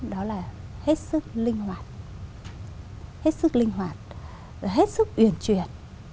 đó là hết sức linh hoạt hết sức linh hoạt hết sức uyển chuyển